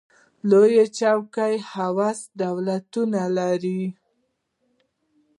لوړې کچې هوسا دولتونه لري.